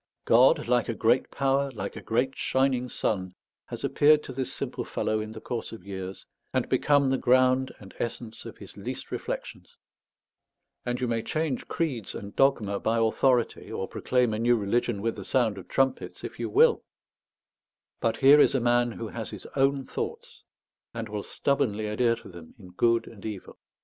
God, like a great power, like a great shining sun, has appeared to this simple fellow in the course of years, and become the ground and essence of his least reflections; and you may change creeds and dogma by authority, or proclaim a new religion with the sound of trumpets, if you will; but here is a man who has his own thoughts, and will stubbornly adhere to them in good and evil.